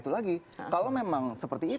sebagai hukum massenie